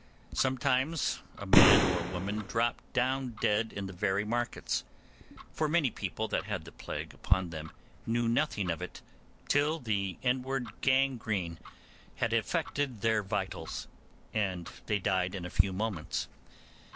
Sometimes a man or woman dropped down dead in the very markets, for many people that had the plague upon them knew nothing of it till the inward gangrene had affected their vitals, and they died in a few moments.